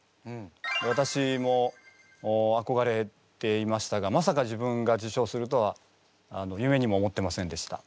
わたしもあこがれていましたがまさか自分が受賞するとは夢にも思ってませんでした。